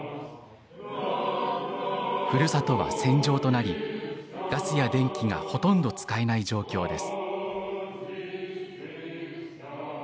ふるさとは戦場となりガスや電気がほとんど使えない状況です。